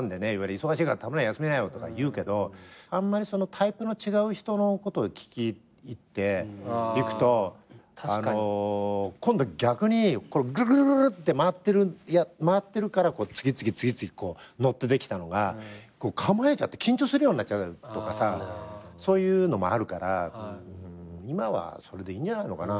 忙しいからたまには休みなよとか言うけどあんまりタイプの違う人のことを聞き入っていくと今度逆にぐるぐるぐるって回ってるから次々次々乗ってできたのが構えちゃって緊張するようになっちゃうとかさそういうのもあるから今はそれでいいんじゃないのかな。